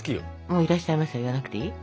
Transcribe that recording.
もう「いらっしゃいませ」言わなくていい？